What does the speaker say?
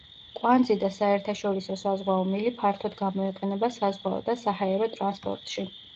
კვანძი და საერთაშორისო საზღვაო მილი ფართოდ გამოიყენება საზღვაო და საჰაერო ტრანსპორტში.